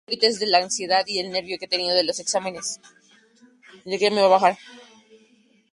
Se trasladó definitivamente a Valencia, cuando su hermano fue nombrado Virrey.